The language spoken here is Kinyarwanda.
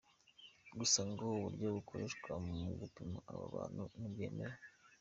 Gusa, ngo uburyo bukoreshwa mu gupima abo bantu ntibwemewe.